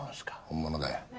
本物だよ。